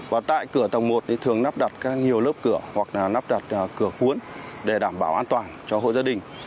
và tại cửa tầng một thường nắp đặt nhiều lớp cửa hoặc nắp đặt cửa cuốn để đảm bảo an toàn cho hội gia đình